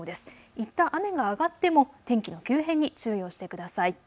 いったん雨が上がっても天気の急変に注意をしてください。